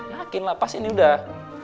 yakin lah pas ini udah